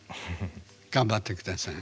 頑張って下さい。